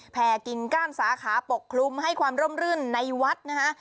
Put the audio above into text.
กิ่งก้านสาขาปกคลุมให้ความร่มรื่นในวัดนะฮะ